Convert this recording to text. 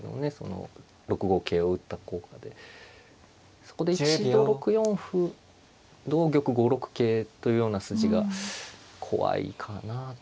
そこで一度６四歩同玉５六桂というような筋が怖いかなという感じですね。